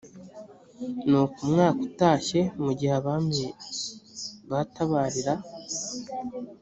nuko umwaka utashye mu gihe abami batabarira